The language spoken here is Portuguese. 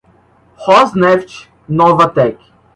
Rosneft, Novatek